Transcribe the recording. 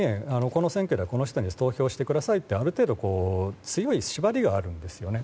この選挙ではこの人に投票してくださいというある程度、強い縛りがあるんですね。